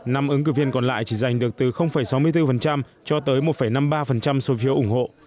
năm ứng cử viên còn lại chỉ giành được từ sáu mươi bốn cho tới một năm mươi ba số phiếu ủng hộ